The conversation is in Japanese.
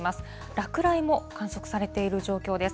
落雷も観測されている状況です。